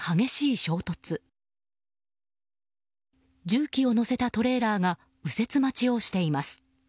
重機を載せたトレーラーが右折待ちをしています。